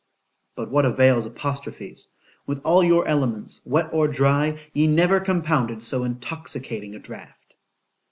——but what avails apostrophes?——with all your elements, wet or dry, ye never compounded so intoxicating a draught.